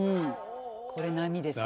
これ波ですね。